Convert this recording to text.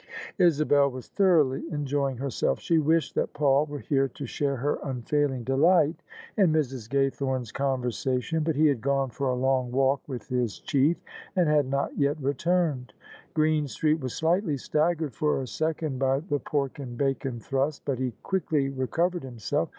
Isabel was diorougjily enjoying hendf. She wished that Paul were here to share her un&iling ddig^t in Mis. Gay thome's conversation; but he had gpne for a long walk with his chief, and had not yet returned. Greenstreet was slig^dy staggered for a second by the pork and'bacon thrust; but he quickly recovered himself.